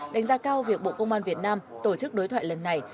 đánh giá cao việc bộ công an việt nam tổ chức đối thoại lần này